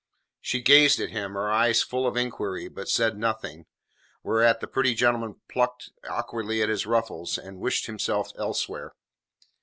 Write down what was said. She gazed at him, her eyes full of inquiry, but said nothing, whereat the pretty gentleman plucked awkwardly at his ruffles and wished himself elsewhere.